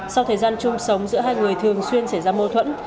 sau thời gian chung sống giữa hai người thường xuyên xảy ra mâu thuẫn